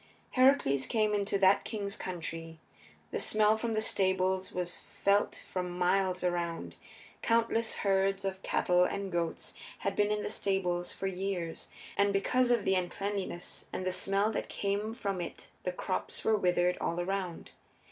Heracles came into that king's country. The smell from the stables was felt for miles around. Countless herds of cattle and goats had been in the stables for years, and because of the uncleanness and the smell that came from it the crops were withered all around.